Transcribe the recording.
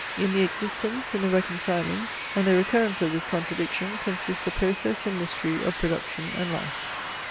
In the existence, in the reconciling, and the recurrence of this contradiction consists the process and mystery of production and life.